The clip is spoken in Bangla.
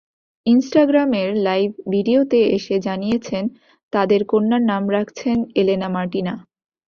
ইনস্টাগ্রামের লাইভ ভিডিওতে এসে জানিয়েছেন, তাঁদের কন্যার নাম রাখছেন এলেনা মার্টিনা।